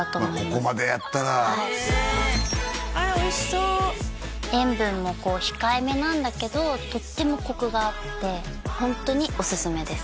ここまでやったらあらおいしそう塩分もこう控えめなんだけどとってもコクがあってホントにオススメです